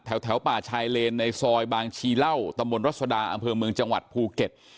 แถวป่าชายเลนในซอยบางชีเหล้าตำบลรัศดาอำเภอเมืองจังหวัดภูเก็ต